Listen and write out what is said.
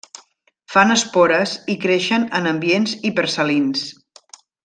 Fan espores i creixen en ambients hipersalins.